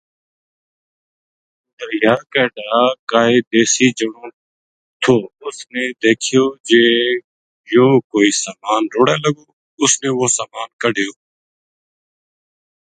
دریا کے ڈھا کائی دیسی جنو تھو اُس نے دیکھیو جے یوہ کوئی سامان رُڑے لگو اُس نے وہ سامان کَڈھیو